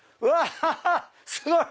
すごい！